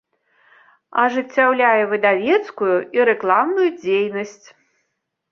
Ажыццяўляе выдавецкую і рэкламную дзейнасць.